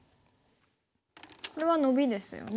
これはノビですよね。